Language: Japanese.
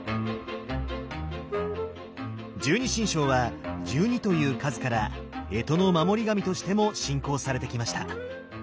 十二神将は「十二」という数から干支の守り神としても信仰されてきました。